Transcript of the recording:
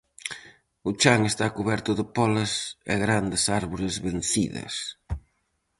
O chan está cuberto de pólas e grandes árbores vencidas.